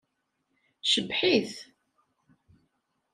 Cebbeḥ-it!